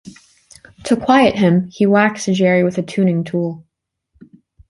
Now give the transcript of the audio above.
To quiet him, he whacks Jerry with a tuning tool.